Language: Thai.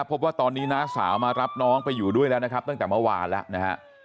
พบว่าตอนนี้น้าสาวมารับน้องไปอยู่ด้วยแล้วนะครับตั้งแต่เมื่อวานแล้วนะฮะ